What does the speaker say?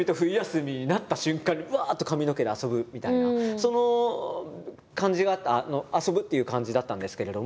その感じはあった遊ぶっていう感じだったんですけれども。